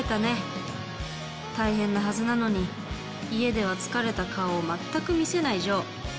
大変なはずなのに家では疲れた顔を全く見せない丈。